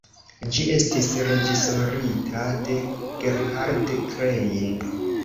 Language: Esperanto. Ĝi estis reĝisorita de Gerhard Klein.